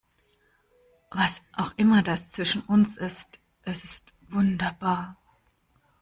Was auch immer das zwischen uns ist, es ist wunderbar.